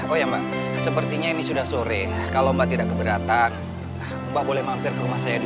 oh ya mbak sepertinya ini sudah sore kalau mbak tidak keberatan mbah boleh mampir ke rumah saya di